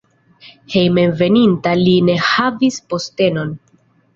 Hejmenveninta li ne havis postenon.